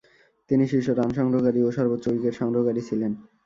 তিনি শীর্ষ রান সংগ্রহকারী ও সর্বোচ্চ উইকেট সংগ্রহকারী ছিলেন।